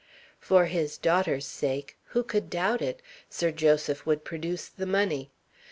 For his daughter's sake who could doubt it? Sir Joseph would produce the money.